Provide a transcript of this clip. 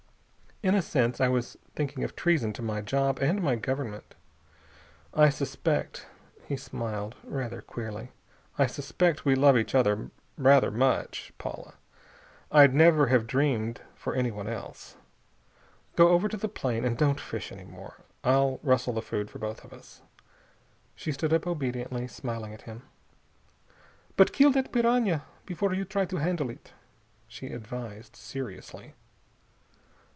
In a sense, I was thinking of treason to my job and my government. I suspect" he smiled rather queerly "I suspect we love each other rather much, Paula. I'd never have dreamed for anyone else. Go over to the plane and don't fish any more. I'll rustle the food for both of us." She stood up obediently, smiling at him. "But kill that piranha before you try to handle it," she advised seriously.